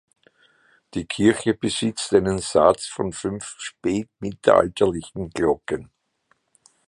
Die Kirche besitzt einen Satz von fünf spätmittelalterlichen Glocken.